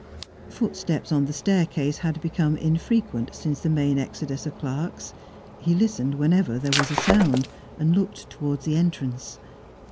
Footsteps on the staircase had become infrequent since the main exodus of clerks; he listened whenever there was a sound, and looked towards the entrance.